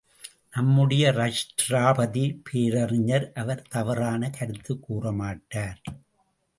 நம்முடைய ராஷ்டிரபதி பேரறிஞர், அவர் தவறான கருத்துக் கூறமாட்டார்.